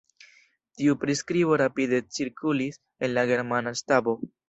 Tiu priskribo rapide cirkulis en la germana stabo.